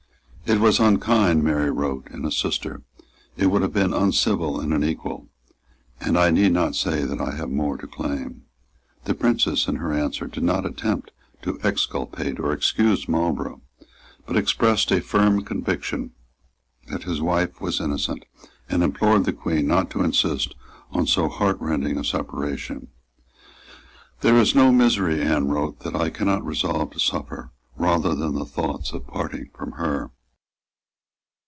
"It was unkind," Mary wrote, "in a sister; it would have been uncivil in an equal; and I need not say that I have more to claim." The Princess, in her answer, did not attempt to exculpate or excuse Marlborough, but expressed a firm conviction that his wife was innocent, and implored the Queen not to insist on so heartrending a separation. "There is no misery," Anne wrote, "that I cannot resolve to suffer rather than the thoughts of parting from her."